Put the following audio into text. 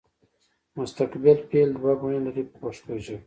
مستقبل فعل دوه بڼې لري په پښتو ژبه.